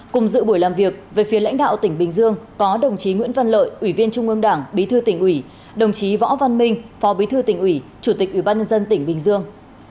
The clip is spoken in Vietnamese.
cùng dự buổi làm việc về phía lãnh đạo tỉnh bình dương có đồng chí nguyễn văn lợi ủy viên trung ương đảng bí thư tỉnh ủy đồng chí võ văn minh phó bí thư tỉnh ủy chủ tịch ủy ban nhân dân tỉnh bình dương